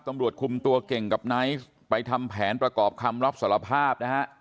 ตำรวจคุมตัวเก่งกับไนท์ไปทำแผนประกอบคำรับสารภาพนะฮะ